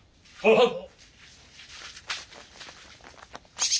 はっ。